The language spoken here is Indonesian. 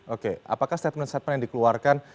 oke apakah statement statement yang dikeluarkan